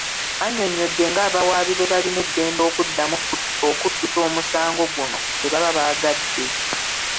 Annyonnyodde ng'abawaabi bwe balina eddembe okuddamu okuttusa omusango guno bwe baba baagadde.